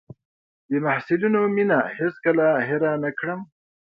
د محصلینو مينه هېڅ کله هېره نه کړم.